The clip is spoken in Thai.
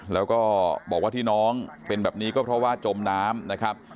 แล้วก็บอกว่าที่น้องเป็นแบบนี้ก็เพราะว่าจมน้ำนะครับ